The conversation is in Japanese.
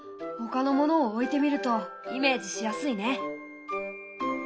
ほかのものを置いてみるとイメージしやすいね！